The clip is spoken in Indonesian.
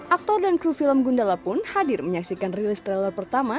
aktor dan kru film gundala pun hadir menyaksikan rilis trailer pertama